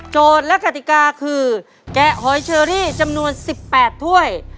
และกติกาคือแกะหอยเชอรี่จำนวน๑๘ถ้วย